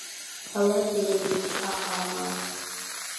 آواز يې واېست عاعاعا.